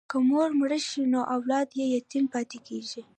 که مور مړه شي نو اولاد یې یتیم پاتې کېږي.